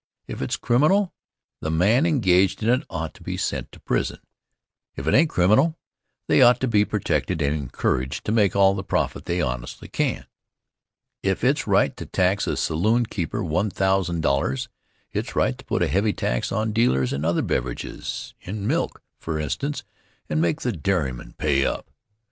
If it's criminal, the men engaged in it ought to be sent to prison. If it ain't criminal, they ought to be protected and encouraged to make all the profit they honestly can. If it's right to tax a saloonkeeper $1000, it's right to put a heavy tax on dealers in other beverages in milk, for instance and make the dairymen pay up.